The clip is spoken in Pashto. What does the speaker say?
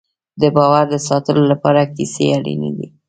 د باور د ساتلو لپاره کیسې اړینې دي.